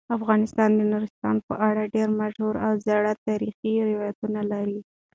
افغانستان د نورستان په اړه ډیر مشهور او زاړه تاریخی روایتونه لري.